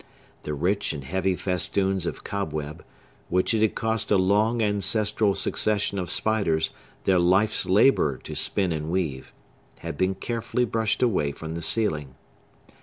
The rich and heavy festoons of cobweb, which it had cost a long ancestral succession of spiders their life's labor to spin and weave, had been carefully brushed away from the ceiling.